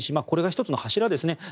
これが１つの柱ですね。